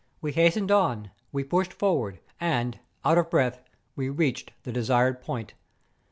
We hastened on, we pushed forward, and, out of breath, we reached the desired point.